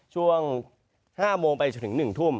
ช่วง๕โมงไปจนถึง๑ทุ่ม